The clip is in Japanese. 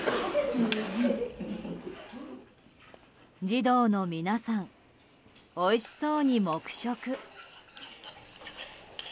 児童の皆さんおいしそうに黙食。